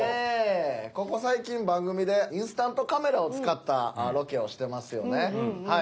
ここ最近番組でインスタントカメラを使ったロケをしてますよね。